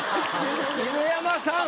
犬山さん